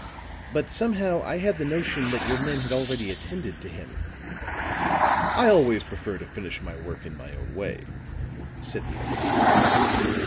But, somehow, I had the notion that your men had already attended to him." "I always prefer to finish my work in my own way," said the investigator.